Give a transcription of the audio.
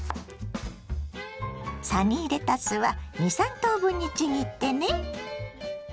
サニーレタスは２３等分にちぎってね。